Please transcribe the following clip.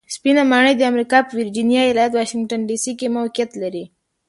سپینه ماڼۍ د امریکا په ویرجینیا ایالت واشنګټن ډي سي کې موقیعت لري.